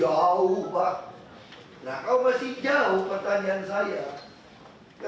oh gak pernah masih jauh pak